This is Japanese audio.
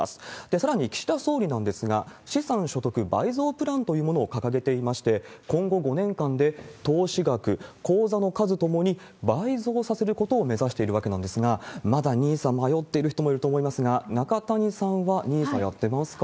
さらに、岸田総理なんですが、資産所得倍増プランというのを掲げていまして、今後５年間で、投資額、口座の数ともに倍増させることを目指しているわけなんですが、まだＮＩＳＡ迷ってる人もいると思いますが、中谷さんはＮＩＳＡやってますか？